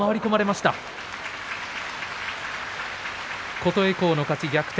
琴恵光の勝ち、逆転。